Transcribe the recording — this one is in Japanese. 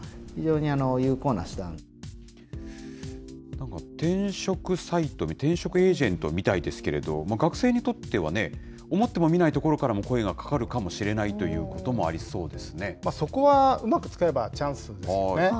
なんか、転職サイトの転職エージェントみたいですけれども、学生にとっては思ってもみないところから声がかかるかもしれないそこはうまく使えばチャンスですよね。